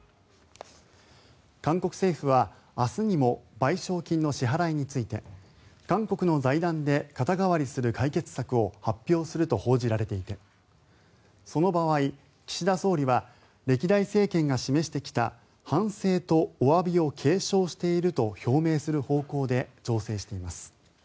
韓国政府は明日にも賠償金の支払いについて韓国の財団で肩代わりする解決策を発表すると報じられていてその場合、岸田総理は歴代政権が示してきた反省とおわびを継承していると表明する方向で調整しています。